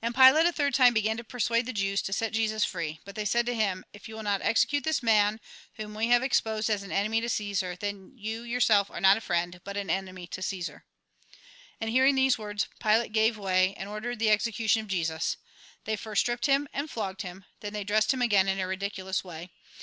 And Pilate a third time began to persuade the Jews to set Jesus free. But they said to him :" If you will not execute this man, whom we have ex posed as an enemy to Ccesar, then you yourself are not a friend, but an enemy to Ceesar." And hearing these words, Pilate gave way, and ordered the execution of Jesus. They first stripped him and flogged him ; then they dressed him again in a ridiculous way.